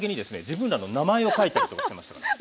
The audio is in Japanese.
自分らの名前を書いてっておっしゃいましたからね。